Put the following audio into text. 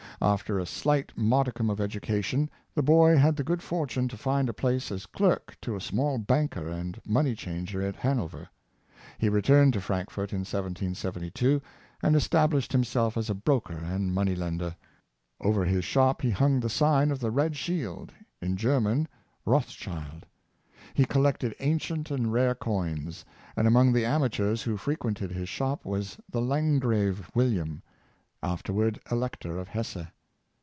After a slight modicum of education, the boy had the good fortune to find a place as clerk to a small banker and money changer at Hanover. He returned to Frankfort in 1772, and estabhshed himself as a broker and money lender. Over his shop he hung the sign of the Red Shield — in German, Rothschild. He collected ancient Their Honesty. 373 and rare coins, and among the amateurs who frequented his shop was the Landgrave William, afterward Elector of Hesse.